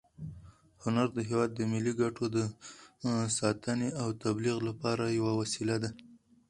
هنر د هېواد د ملي ګټو د ساتنې او تبلیغ لپاره یوه وسیله ده.